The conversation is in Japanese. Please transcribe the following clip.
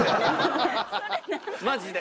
マジで。